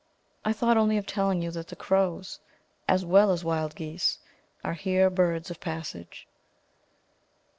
I thought only of telling you that the crows, as well as wild geese, are here birds of passage.